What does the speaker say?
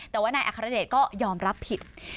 แต่ว่านายอัครเดชก็ยอมรับผิด